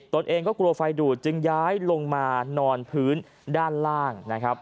ตัวเองก็กลัวไฟดูดจึงย้ายลงมานอนพื้นด้านล่างนะครับ